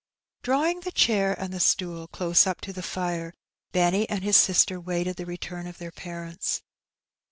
Drawing the chair and. the stool close up to the fire, Benny and his sister waited the return of their parents.